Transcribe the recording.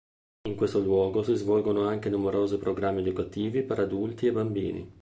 In questo luogo si svolgono anche numerosi programmi educativi per adulti e bambini.